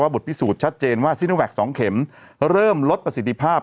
บทพิสูจน์ชัดเจนว่าซิโนแวค๒เข็มเริ่มลดประสิทธิภาพ